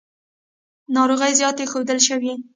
ناروغۍ زیاتې ښودل شوې.